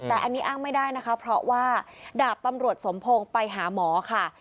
แต่อันนี้อ้างไม่ได้นะคะเพราะว่าดาบตำรวจสมพงศ์ไปหาหมอค่ะ